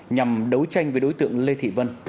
nhằm đấu tranh với đối tượng lê thị vân